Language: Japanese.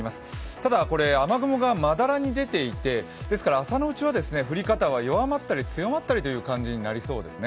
ただ、雨雲がまだらに出ていてですから朝のうちは弱まったり強まったりという感じになりそうです。